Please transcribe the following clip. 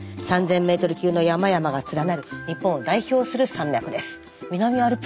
３，０００メートル級の山々が連なる日本を代表する山脈です。